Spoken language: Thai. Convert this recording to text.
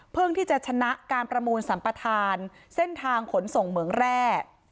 ที่จะชนะการประมูลสัมปทานเส้นทางขนส่งเหมืองแร่